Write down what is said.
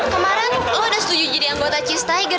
kemaren lu udah setuju jadi anggota cheers tiger